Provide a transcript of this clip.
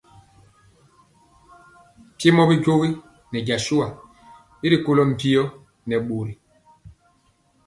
Mpiemɔ bijogi nɛ jasua y rikolɔ mpio nɛ bori.